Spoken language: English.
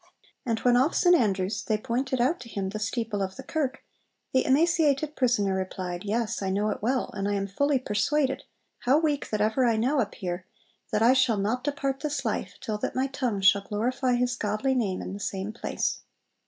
And when off St Andrews they pointed out to him the steeple of the kirk, the emaciated prisoner replied, 'Yes, I know it well: and I am fully persuaded, how weak that ever I now appear, that I shall not depart this life till that my tongue shall glorify His godly name in the same place.'